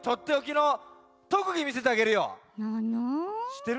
しってる？